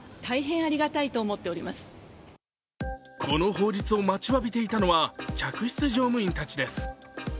この法律を待ちわびていたのは、客室乗務員たちです。